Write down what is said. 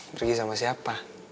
pergi sama siapa